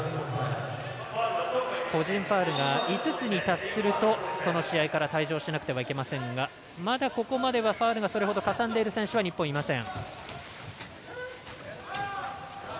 個人ファウルが５つに達するとその試合から退場しなくてはなりませんがまだそこまではファウルがかさんでいる選手日本、いません。